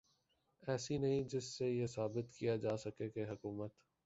ایسی نہیں جس سے یہ ثابت کیا جا سکے کہ حکومت